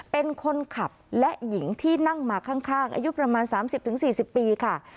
เป็นคนขับและหญิงที่นั่งมาข้างอายุประมาณ๓๐๔๐ปีค่ะ